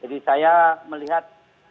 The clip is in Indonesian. jadi saya melihat